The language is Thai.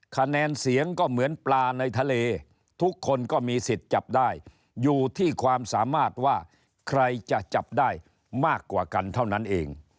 คะแนนเสียงก็เหมือนปลาในทะเลทุกคนก็มีสิทธิ์จับได้อยู่ที่ความสามารถว่าใครจะจับได้มากกว่ากันเท่านั้นเอง